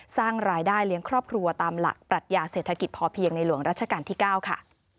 สร้างรายได้เลี้ยงครอบครัวตามหลักปรัชญาเศรษฐกิจพอเพียงในหลวงรัชกาลที่๙ค่ะ